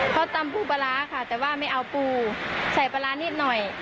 เขาตำปูปลาร้าค่ะแต่ว่าไม่เอาปูใส่ปลาร้านิดหน่อย